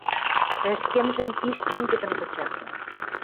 Ӹшкӹмжӹм пиш пингӹдӹн кыча.